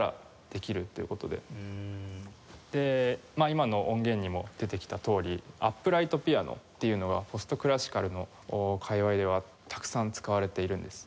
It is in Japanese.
今の音源にも出てきたとおりアップライトピアノっていうのがポストクラシカルの界隈ではたくさん使われているんです。